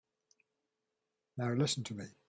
Now listen to me.